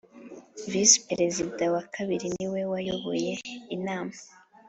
Visi Perezida wa kabiri niwe wayoboye inama